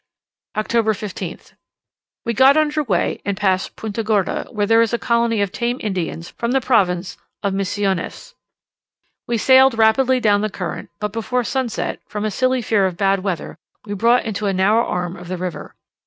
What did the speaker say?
October 15th. We got under way and passed Punta Gorda, where there is a colony of tame Indians from the province of Missiones. We sailed rapidly down the current, but before sunset, from a silly fear of bad weather, we brought to in a narrow arm of the river.